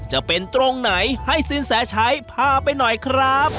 จะเป็นตรงไหนให้สินแสชัยพาไปหน่อยครับ